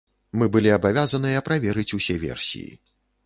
Мы былі абавязаныя праверыць усе версіі.